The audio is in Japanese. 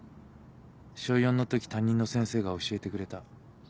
小４のとき担任の先生が教えてくれた。